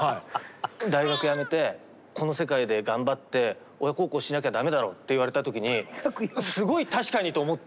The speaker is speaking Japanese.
大学やめてこの世界で頑張って親孝行しなきゃ駄目だろって言われた時にすごい「確かに」と思って。